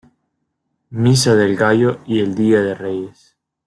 Misa del Gallo y el Día de Reyes.